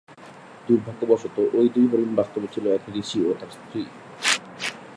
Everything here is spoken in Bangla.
দুর্ভাগ্যবশত, ঐ দুই হরিণ বাস্তবে ছিল এক ঋষি ও তার স্ত্রী।